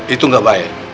itu nggak baik